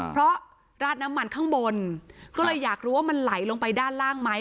เพราะราดน้ำมันข้างบนก็เลยอยากรู้ว่ามันไหลลงไปด้านล่างไหม